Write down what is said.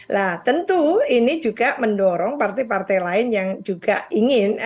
nah tentu ini juga mendorong partai partai lain yang juga ingin